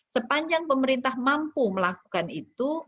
sepanjang pemerintah mampu melakukan itu